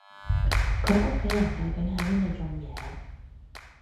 佢屋企人究竟喺邊度種嘢